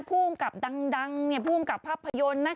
ผู้องกับดังเนี่ยผู้องกับภาพยนตร์นะ